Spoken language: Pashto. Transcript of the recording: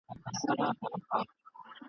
چي تر څو په دې وطن کي نوم د پیر وي !.